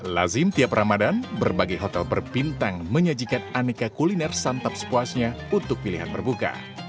lazim tiap ramadan berbagai hotel berbintang menyajikan aneka kuliner santap sepuasnya untuk pilihan berbuka